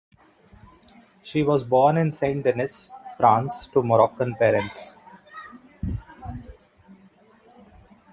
She was born in Saint-Denis, France, to Moroccan parents.